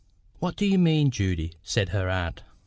"What DO you mean, Judy?" said her aunt.